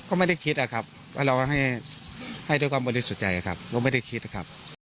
ก็ไม่ได้คิดอะครับก็เราก็ให้ด้วยความบริสุทธิ์ใจครับก็ไม่ได้คิดครับ